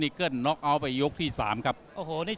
น้อยรร์นมือแล้วครับโหนี่รข